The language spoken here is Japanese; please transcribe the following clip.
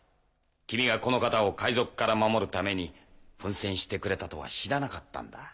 君がこの方を海賊から守るために奮戦してくれたとは知らなかったんだ。